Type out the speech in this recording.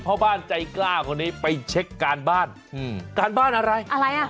พ่อบ้านใจกล้าคนนี้ไปเช็คการบ้านอืมการบ้านอะไรอะไรอ่ะ